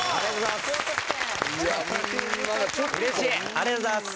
ありがとうございます。